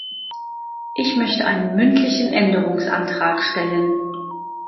Ich möchte einen mündlichen Änderungsantrag stellen.